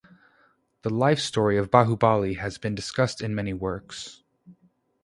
The life-story of Bahubali has been discussed in many works.